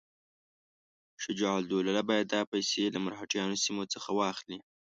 شجاع الدوله باید دا پیسې له مرهټیانو سیمو څخه واخلي.